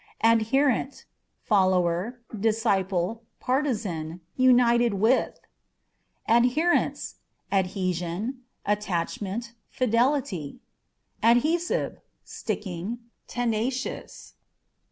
Adherent â€" follower, disciple, partizan ; united with. Adherence â€" adhesion, attachment, fidelity. Adhesive â€" sticking, tenacious.